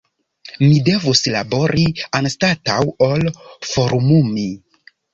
Mi devus labori anstataŭ ol forumumi.